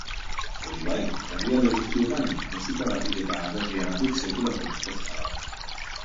Hori bai, herrialde guztietan musikagatik eta aberriagatik sekulako maitasuna dago.